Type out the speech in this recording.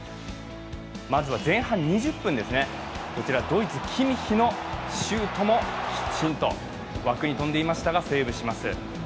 まずは前半２０分ですね、ドイツのシュートも、きちんと枠に飛んでいましたがセーブします。